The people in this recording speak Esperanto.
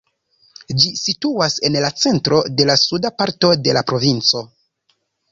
Ĝi situas en la centro de la suda parto de la provinco.